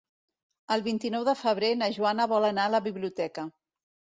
El vint-i-nou de febrer na Joana vol anar a la biblioteca.